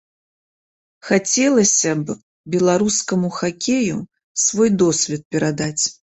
Хацелася б беларускаму хакею свой досвед перадаць.